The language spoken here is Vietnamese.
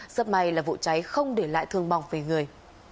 giấc may là vụ cháy không để lại thương mong về người